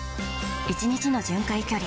１日の巡回距離